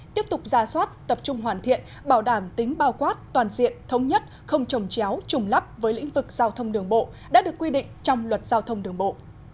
tiếp tục ra soát tập trung hoàn thiện bảo đảm tính bao quát toàn diện thống nhất không trồng chéo trùng lắp với lĩnh vực giao thông đường bộ đã được quy định trong luật giao thông đường bộ